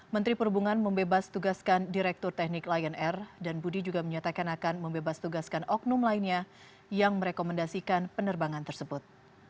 menteri perhubungan membebas tugaskan direktur teknik lion air dan budi juga menyatakan akan membebas tugaskan oknum lainnya yang merekomendasikan penerbangan tersebut